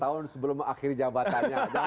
dua tahun sebelum akhir jabatannya